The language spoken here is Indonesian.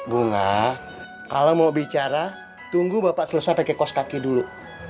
bunga kalau mau bicara tunggu bapak selesai pakai kos kaki dulu